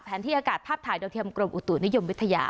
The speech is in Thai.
ที่อากาศภาพถ่ายโดยเทียมกรมอุตุนิยมวิทยา